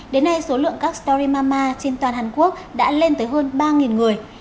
đến nay số lượng các story mama trên toàn hàn quốc đã lên tới hơn ba người